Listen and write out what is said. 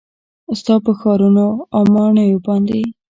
ستا په ښارونو او ماڼیو باندې